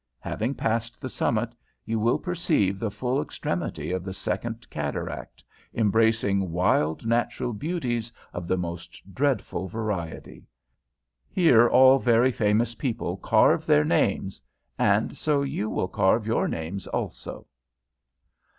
Having passed the summit, you will perceive the full extremity of the second cataract, embracing wild natural beauties of the most dreadful variety. Here all very famous people carve their names, and so you will carve your names also."